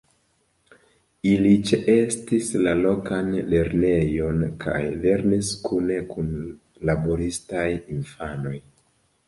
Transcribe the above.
Ili ĉeestis la lokan lernejon kaj lernis kune kun laboristaj infanoj.